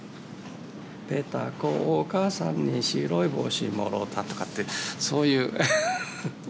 「ペタコお母さんに白い帽子もろた」とかってそういう。